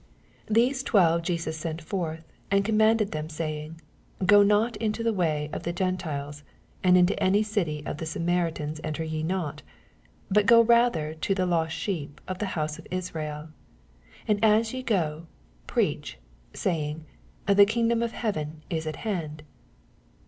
5 These twelve Jesus sent forth, and commanded them, saying. Go not into the way of the GentQes, and into any city cf the Samaritans enter ye not : 6 But go rather to the lost sheep of the house of Israel. 7 And as ye so, preach, saying, The kingdom of heaven is at hand.